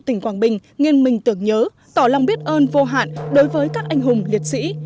tỉnh quảng bình nghiên minh tưởng nhớ tỏ lòng biết ơn vô hạn đối với các anh hùng liệt sĩ